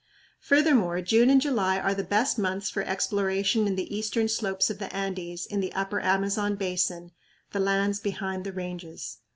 Furthermore, June and July are the best months for exploration in the eastern slopes of the Andes in the upper Amazon Basin, the lands "behind the Ranges."